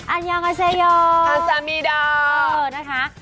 อันยังเฮาเซโยฮัสซามีดานะครับ